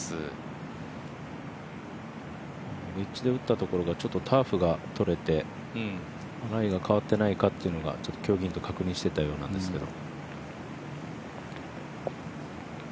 ウェッジで打ったところがターフがとれて、ラインが変わってないかというのを競技員と確認していたようなんですけど。